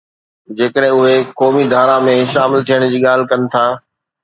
جيڪڏهن اُهي قومي ڌارا ۾ شامل ٿيڻ جي ڳالهه ڪن ٿا.